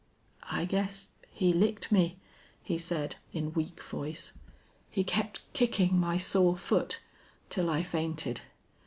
"I guess he licked me," he said, in weak voice. "He kept kicking my sore foot till I fainted.